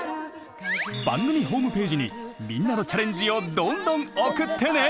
番組ホームページにみんなのチャレンジをどんどん送ってね。